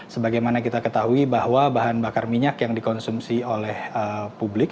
sebagaimana kita ketahui bahwa bahan bakar minyak yang dikonsumsi oleh publik